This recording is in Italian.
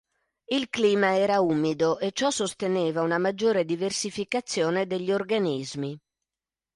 Il clima era umido, e ciò sosteneva una maggiore diversificazione degli organismi.